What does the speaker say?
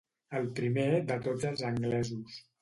El primer de tots els anglesos.